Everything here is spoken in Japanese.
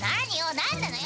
何なのよ！